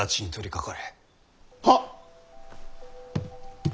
はっ！